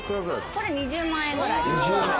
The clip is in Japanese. これ２０万円くらい。